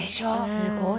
すごい。